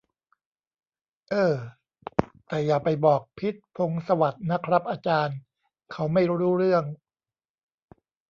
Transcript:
เอ้อ แต่อย่าไปบอก พิชญ์ พงษ์สวัสดิ์ นะครับ อาจารย์เขาไม่รู้เรื่อง